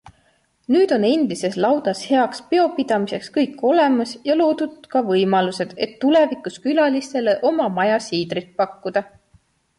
Nüüd on endises laudas heaks peopidamiseks kõik olemas ja loodud ka võimalused, et tulevikus külalistele oma maja siidrit pakkuda.